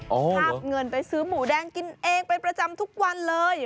อ๋อเหรอข้าบเงินไปซื้อหมูแดงกินเองไปประจำทุกวันเลย